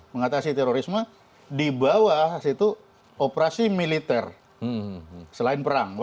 mengatasi terorisme di bawah situ operasi militer selain perang